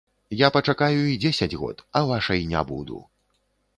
Я пачакаю і дзесяць год, а вашай не буду.